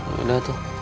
oh udah tuh